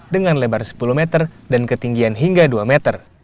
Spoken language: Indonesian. dengan lebar sepuluh meter dan ketinggian hingga dua meter